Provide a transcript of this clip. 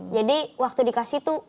jadi waktu dikasih tuh